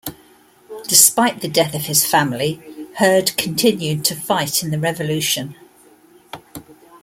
Despite the death of his family Heard continued to fight in the revolution.